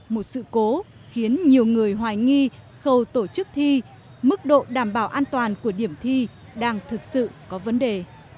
một sự cố khiến nhiều người hoài nghi khâu tổ chức thi mức độ đảm bảo an toàn của điểm thi đang thực sự có vấn đề